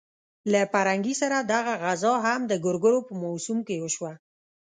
له پرنګي سره دغه غزا هم د ګورګورو په موسم کې وشوه.